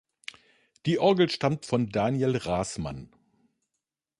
Die Orgel stammt von Daniel Raßmann.